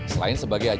selain sebagai pencari